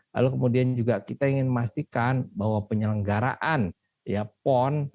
lalu kemudian juga kita ingin memastikan bahwa penyelenggaraan pon